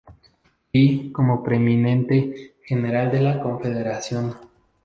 Lee como el preeminente general de la Confederación.